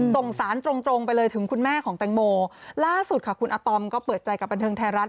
ส่งสารตรงตรงไปเลยถึงคุณแม่ของแตงโมล่าสุดค่ะคุณอาตอมก็เปิดใจกับบันเทิงไทยรัฐ